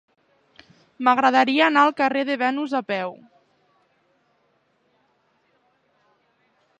M'agradaria anar al carrer de Venus a peu.